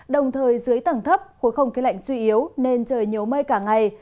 đồng thời dưới tầng thấp khối không khí lạnh suy yếu nên trời nhiều mây cả ngày